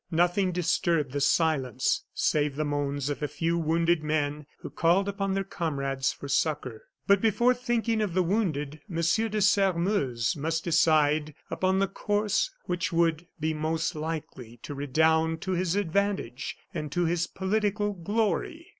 Nothing disturbed the silence save the moans of a few wounded men, who called upon their comrades for succor. But before thinking of the wounded, M. de Sairmeuse must decide upon the course which would be most likely to redound to his advantage and to his political glory.